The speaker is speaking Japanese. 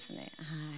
はい。